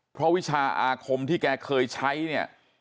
เพราะวิชาอาคมที่แกเคยใช้เนี่ย